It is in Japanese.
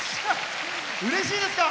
うれしいですか？